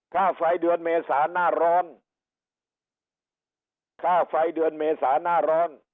ค่าไฟเดือนเมษาหน้าร้อนค่าไฟเดือนเมษาหน้าร้อน